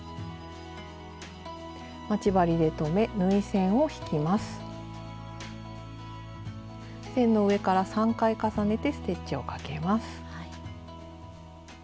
線の上から３回重ねてステッチをかけます。